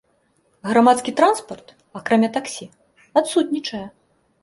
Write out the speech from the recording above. Грамадскі транспарт, акрамя таксі, адсутнічае.